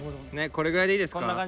これぐらいでいいですか？